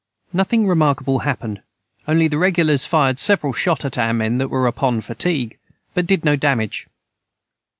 Nothing remarkable hapened only the regulars fired several Shot at our men that were upon fatigue but did no Damage.